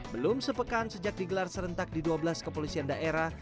belum sepekan sejak digelar serentak di dua belas kepolisian daerah